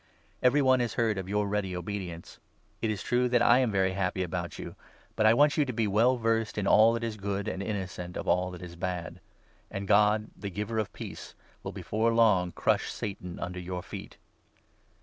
Every tg one has heard of your ready obedience. It is true that I am very happy about you, but I want you to be well versed in all that is good, and innocent of all that is bad. And God, the 20 giver of peace, will before long crush Satan under your feet.